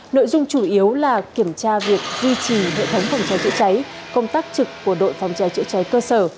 nội dung chủ yếu là kiểm tra việc duy trì hệ thống phòng cháy chữa cháy công tác trực của đội phòng cháy chữa cháy cơ sở